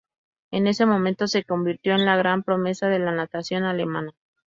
En ese momento se convirtió en la gran promesa de la natación alemana.